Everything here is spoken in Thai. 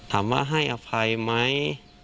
ถามว่าให้อภัยไหม